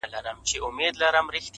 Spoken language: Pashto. دا سپوږمۍ وينې!!